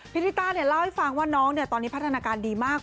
พี่ริต้าเนี่ยเล่าให้ฟังว่าน้องเนี่ยตอนนี้พัฒนาการดีมาก